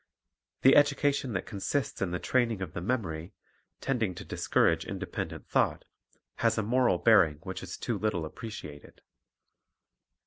The education that consists in the training of the memory, tending to discourage independent thought, has a moral bearing which is too little appreciated.